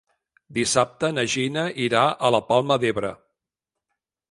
Dissabte na Gina irà a la Palma d'Ebre.